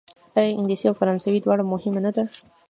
آیا انګلیسي او فرانسوي دواړه مهمې نه دي؟